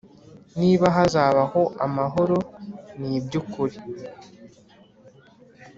niba hazabaho amahoro n iby ukuri